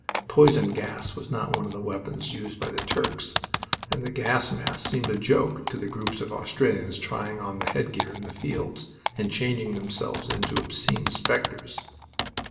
Poison gas was not one of the weapons used by the Turks, and the gas masks seemed a joke to the groups of Australians trying on the headgear in the fields, and changing themselves into obscene specters